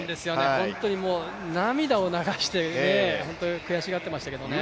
本当に涙を流して悔しがっていましたけれどもね。